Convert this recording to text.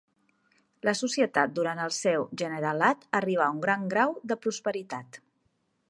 La societat durant el seu generalat arribà a un gran grau de prosperitat.